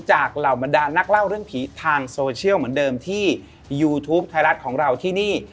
เหล่าบรรดานนักเล่าเรื่องผีทางโซเชียลเหมือนเดิมที่ยูทูปไทยรัฐของเราที่นี่